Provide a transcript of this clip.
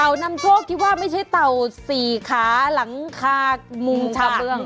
เต่านำโชคคิดว่าไม่ใช่เต่าสี่ค้าหลังค่างมุมกระเบือง